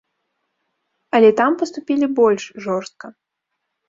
Але там паступілі больш жорстка.